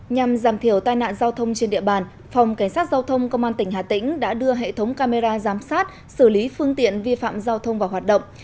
nhằm giảm thiểu tai nạn giao thông trên địa bàn phòng cảnh sát giao thông công an tỉnh hà tĩnh đã đưa hệ thống camera giám sát xử lý phương tiện vi phạm giao thông vào hoạt động